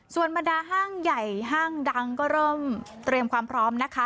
ส่วนบรรดาห้างใหญ่ห้างดังก็เริ่มเตรียมความพร้อมนะคะ